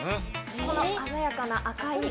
この鮮やかな赤い色。